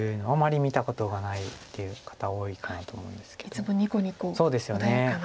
いつもニコニコ穏やかな。